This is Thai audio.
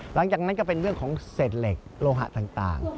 หลังจากนั้นก็เป็นเรื่องของเศษเหล็กโลหะต่าง